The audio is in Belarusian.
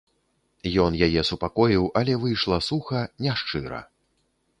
Ён яе супакоіў, але выйшла суха, няшчыра.